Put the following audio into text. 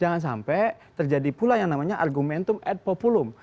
jangan sampai terjadi pula yang namanya argumentum ad populum